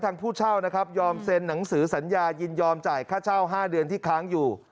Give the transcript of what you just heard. ผู้เช่านะครับยอมเซ็นหนังสือสัญญายินยอมจ่ายค่าเช่า๕เดือนที่ค้างอยู่